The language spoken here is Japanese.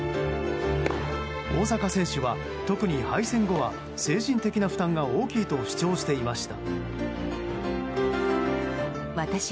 大坂選手は、特に敗戦後は精神的な負担が大きいと主張していました。